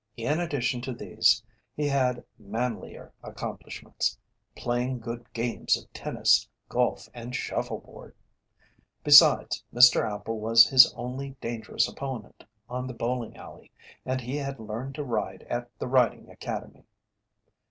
In addition to these he had manlier accomplishments, playing good games of tennis, golf, and shuffle board. Besides, Mr. Appel was his only dangerous opponent on the bowling alley, and he had learned to ride at the riding academy.